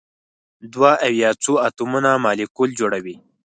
دوه او یا څو اتومونه مالیکول جوړوي.